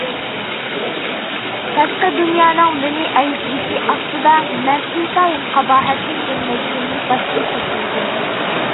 تاشقى دۇنيانىڭ مېنى ئەيىبلىشى ئاستىدا مەن ئىنتايىن قاباھەتلىك بىر مەزگىلنى باشتىن كەچۈردۈم.